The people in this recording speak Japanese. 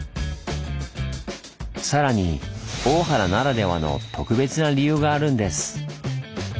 さらに大原ならではの特別な理由があるんです。